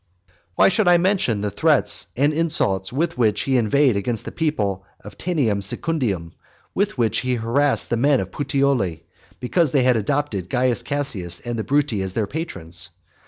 Why should I mention the threats and insults with which he inveighed against the people of Teanum Sidicinum, with which he harassed the men of Puteoli, because they had adopted Caius Cassius and the Bruti as their patrons?